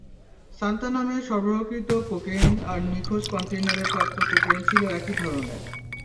সান্থানামের সরবরাহকৃত কোকেইন আর নিখোঁজ কন্টেইনারে প্রাপ্ত কোকেইন ছিল একই ধরণের।